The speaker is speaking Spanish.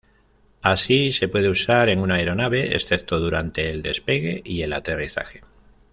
Así, se puede usar en una aeronave, excepto durante el despegue y el aterrizaje.